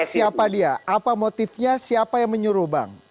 siapa dia apa motifnya siapa yang menyuruh bang